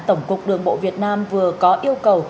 tổng cục đường bộ việt nam vừa có yêu cầu